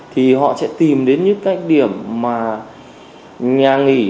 thì họ sẽ tìm đến những các điểm mà nhà nghỉ